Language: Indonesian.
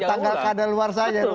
ada tangga kada luar saja